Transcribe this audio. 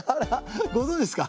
ご存じですか？